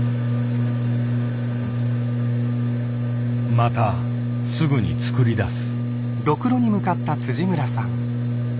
またすぐに作り出す。